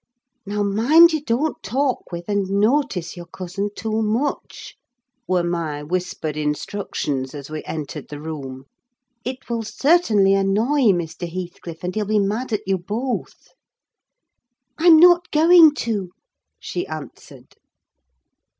"Now, mind you don't talk with and notice your cousin too much," were my whispered instructions as we entered the room. "It will certainly annoy Mr. Heathcliff, and he'll be mad at you both." "I'm not going to," she answered.